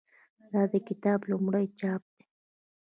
دا د کتاب لومړی چاپ دی.